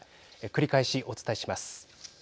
繰り返し、お伝えします。